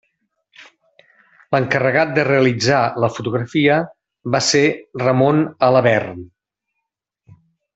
L'encarregat de realitzar la fotografia va ser Ramon Alabern.